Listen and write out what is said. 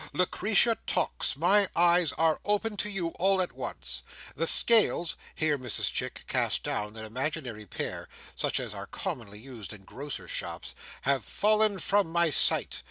Lucretia Tox, my eyes are opened to you all at once. The scales:" here Mrs Chick cast down an imaginary pair, such as are commonly used in grocers" shops: "have fallen from my sight.